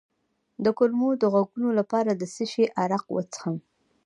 د کولمو د غږونو لپاره د څه شي عرق وڅښم؟